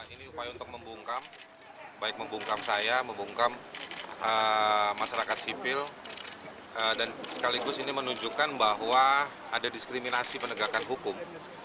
ini upaya untuk membungkam baik membungkam saya membungkam masyarakat sipil dan sekaligus ini menunjukkan bahwa ada diskriminasi penegakan hukum